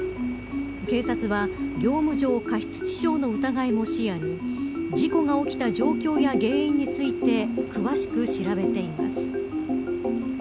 警察は、業務上過失致傷の疑いも視野に事故が起きた状況や原因について詳しく調べています。